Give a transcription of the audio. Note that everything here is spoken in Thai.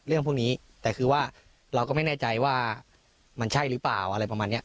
เรื่องพวกนี้แต่คือว่าเราก็ไม่แน่ใจว่ามันใช่หรือเปล่าอะไรประมาณเนี้ย